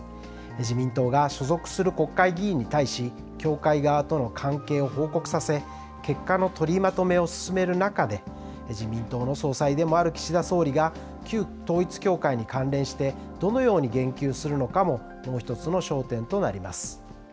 自民党が所属する国会議員に対し、教会側との関係を報告させ、結果の取りまとめを進める中で、自民党の総裁でもある岸田総理が旧統一教会に関連してどのように言及するのかも、もう１つの焦点となります。